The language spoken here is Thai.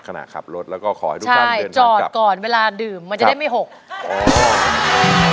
ขณะขับรถแล้วก็ขอให้ทุกท่านจอดก่อนเวลาดื่มมันจะได้ไม่หก